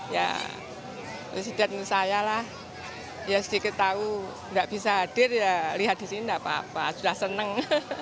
ya presiden saya lah ya sedikit tahu nggak bisa hadir ya lihat di sini tidak apa apa sudah seneng